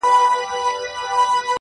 خوشحالي به درنه مخکښې شي راتلو کښې